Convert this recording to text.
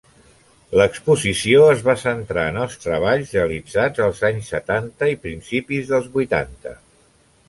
L'exposició es va centrar en els treballs realitzats als anys setanta i principis dels vuitanta.